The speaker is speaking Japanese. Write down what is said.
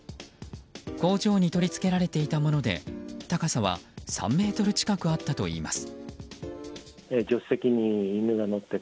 工場に取り付けられていたもので高さは３ｍ近くあったといいます。